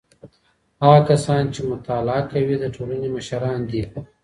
هغه کسان چي مطالعه کوي د ټولني مشران دي.